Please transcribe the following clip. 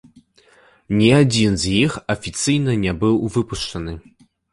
Ні адзін з іх афіцыйна не быў выпушчаны.